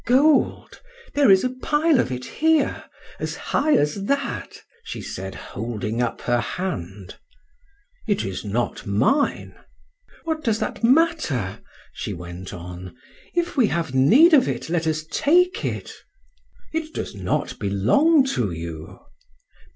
"Gold! There is a pile of it here as high as that," she said holding up her hand. "It is not mine." "What does that matter?" she went on; "if we have need of it let us take it." "It does not belong to you."